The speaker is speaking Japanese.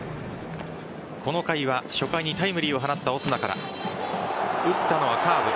この回は初回にタイムリーを放ったオスナから打ったのはカーブ。